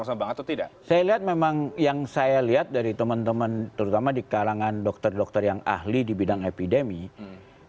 saya lihat memang yang saya lihat dari teman teman terutama di kalangan dokter dokter yang ahli di bidang epidemi